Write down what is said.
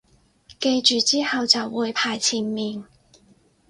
記住之後就會排前面